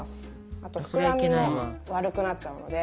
あとふくらみも悪くなっちゃうので。